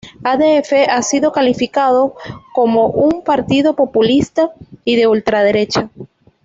AfD ha sido calificado como un partido populista y de ultraderecha.